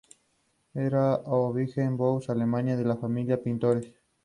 Era aborigen de Düsseldorf, Alemania de una familia de pintores.